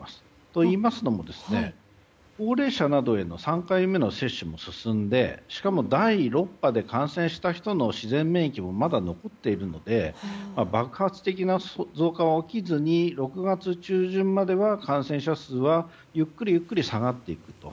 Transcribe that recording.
といいますのも、高齢者などへの３回目の接種も進みしかも第６波で感染した人の自然免疫もまだ残っているので爆発的な増加は起きずに６月中旬までは、感染者数はゆっくり下がっていくと。